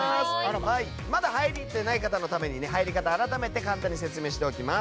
まだ入っていない方のために入り方、改めて簡単に説明しておきます。